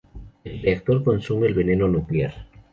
El reactor consume el veneno nuclear.